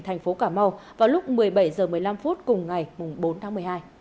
thành phố cà mau vào lúc một mươi bảy h một mươi năm cùng ngày bốn tháng một mươi hai